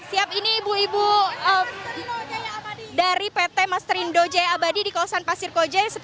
siap ini ibu ibu dari pt mastrindo jaya abadi di kawasan pasir koja